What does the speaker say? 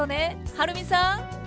はるみさん。